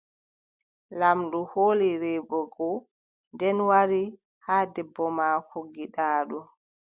Laamɗo hooli rewɓe go, nden wari haa debbo maako giɗaaɗo.